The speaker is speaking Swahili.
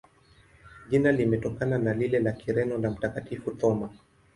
Jina limetokana na lile la Kireno la Mtakatifu Thoma.